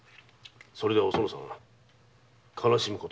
それではおそのさんが悲しむことになる。